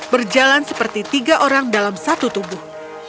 berjalan seperti tiga orang dalam satu tubuh